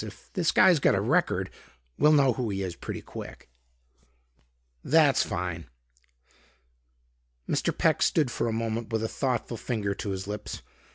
If this guy's got a record, we'll know who he is pretty quick." "That's fine." Mr. Peck stood for a moment with a thoughtful finger to his lips.